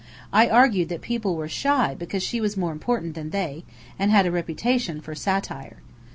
I argued that people were shy because she was more important than they, and had a reputation for satire.